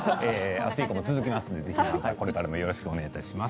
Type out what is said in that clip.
明日以降も続きますのでこれからもお願いします。